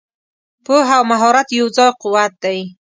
پوهه او مهارت یو ځای قوت دی.